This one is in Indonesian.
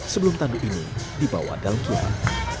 sebelum tandu ini dibawa dalam kiat